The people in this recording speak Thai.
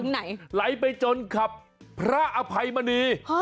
ไหลไปจนขับพระอภัยมณี